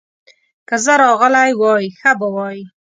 که زه راغلی وای، ښه به وای.